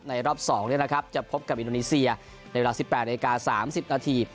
รอบ๒จะพบกับอินโดนีเซียในเวลา๑๘นาที๓๐นาที